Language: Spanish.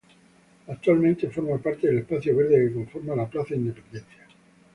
Actualmente, forma parte del espacio verde que conforma la plaza Independencia.